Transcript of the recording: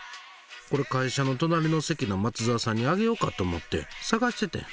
これ会社のとなりの席の松沢さんにあげようかと思って探しててん。